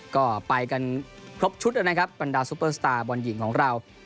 ก็ไปกันครบชุดแล้วนะครับบรรดาซูเปอร์สตาร์บอลหญิงของเรา